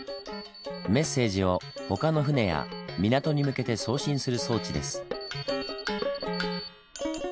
メッセージを他の船や港に向けて送信する装置です。